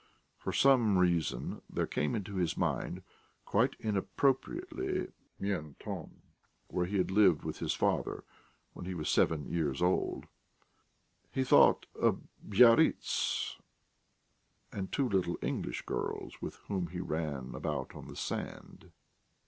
For some reason there came into his mind, quite inappropriately, Mentone, where he had lived with his father when he was seven years old; he thought of Biarritz and two little English girls with whom he ran about on the sand....